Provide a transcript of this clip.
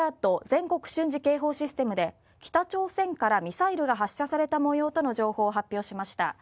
全国瞬時警報システムで北朝鮮からミサイルが発射された模様との情報を発表しました。